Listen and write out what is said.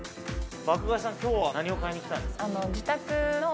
今日は何を買いに来たんですか？